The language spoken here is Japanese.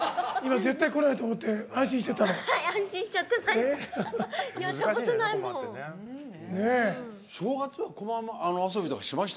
絶対こないと思って安心してたでしょ。